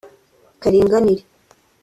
” Karinganire